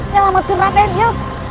selamatkan raten ya